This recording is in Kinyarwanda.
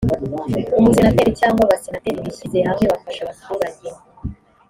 umusenateri cyangwa abasenateri bishyize hamwe bafasha abaturage